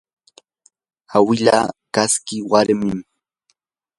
awila kaski warmim